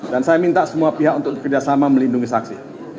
dan saya minta semua pihak untuk bekerjasama melindungi saksi